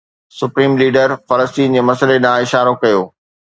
supreme leader فلسطين جي مسئلي ڏانهن اشارو ڪيو